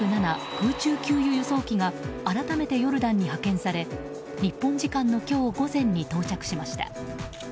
空中給油・輸送機が改めてヨルダンに派遣され日本時間の今日午前に到着しました。